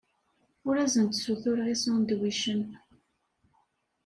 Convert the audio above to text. Ur asen-d-ssutureɣ isandwicen.